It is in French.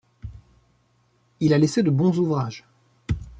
Il a laissé de bons ouvrages.